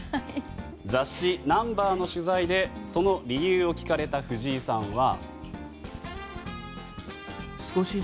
雑誌「Ｎｕｍｂｅｒ」の取材でその理由を聞かれた藤井さんは。